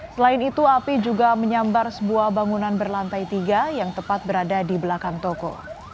selain itu api juga menyambar sebuah bangunan berlantai tiga yang tepat berada di belakang toko